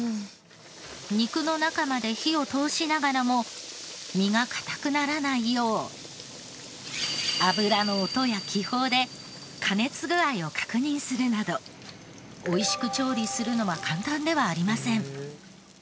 肉の中まで火を通しながらも身が硬くならないよう油の音や気泡で加熱具合を確認するなど美味しく調理するのは簡単ではありません。